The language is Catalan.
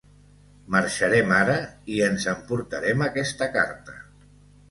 Marxarem ara i ens en portarem aquesta carta.